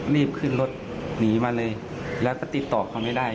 รีบขึ้นรถหนีมาเลยแล้วก็ติดต่อเขาไม่ได้